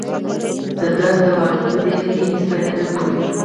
د درد دوايانې پۀ دې کښې هېڅ فائده نۀ کوي